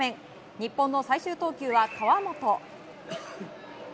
日本の最終投球は河本。